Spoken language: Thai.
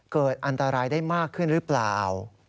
เกิดอันตรายได้มากขึ้นหรือเปล่า